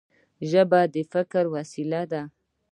ژبه د فکر وسیله ده.